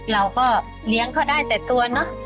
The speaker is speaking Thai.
เราก็เลี้ยงเขาได้แต่ตัวเนอะ